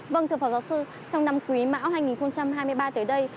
vâng thưa phó giáo sư trong năm quý mão hai nghìn hai mươi ba tới đây